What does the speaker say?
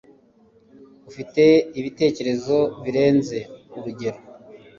Ufite ibitekerezo birenze urugero.